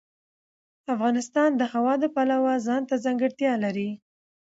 افغانستان د هوا د پلوه ځانته ځانګړتیا لري.